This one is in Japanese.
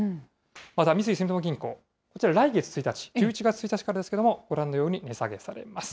また三井住友銀行、こちら来月１日、１１月１日からですけれども、ご覧のように値下げされます。